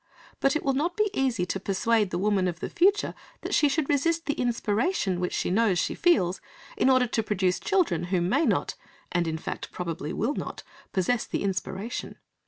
But it will not be easy to persuade the woman of the future that she should resist the inspiration which she knows she feels, in order to produce children who may not, and, in fact, probably will not, possess the inspiration.